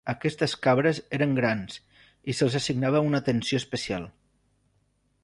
Aquestes cabres eren grans i se'ls assignava una atenció especial.